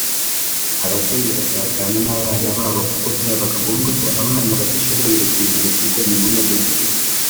ababyeyi batatana n’abana babo kuko byabaga ngombwa ko abana badashoboye urugendo bashyirwa mu ma modoka